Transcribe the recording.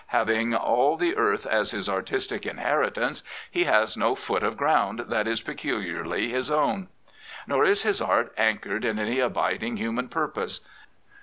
Having all the earth as his artistic inheritance, he has no foot of ground thart is peculiarly his own. Nor is his art anchored in any abiding human purpose.